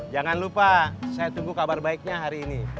jangan lupa saya tunggu kabar baiknya hari ini